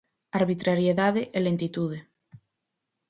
Arbitrariedade e lentitude.